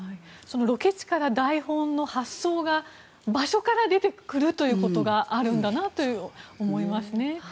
そのロケ地から台本の発想が場所から出てくるということがあるんだなと思いますね。